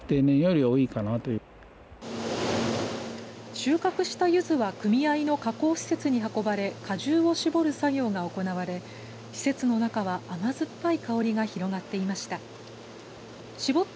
収穫したゆずは組合の加工施設に運ばれ果汁を搾る作業が行われ施設の中は甘酸っぱい香りが広がっていました。